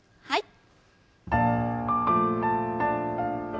はい。